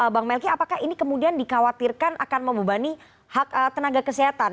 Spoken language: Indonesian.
bang melki apakah ini kemudian dikhawatirkan akan membebani hak tenaga kesehatan